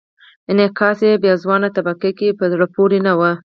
انعکاس یې په ځوانه طبقه کې په زړه پورې نه و.